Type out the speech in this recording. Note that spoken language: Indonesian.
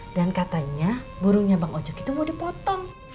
dan katanya burungnya bang ojak itu mau dipotong